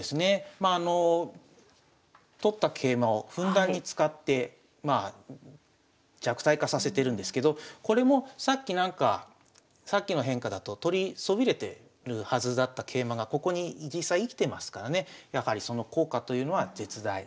まああの取った桂馬をふんだんに使ってまあ弱体化させてるんですけどこれもさっきなんかさっきの変化だと取りそびれてるはずだった桂馬がここに実際生きてますからねやはりその効果というのは絶大。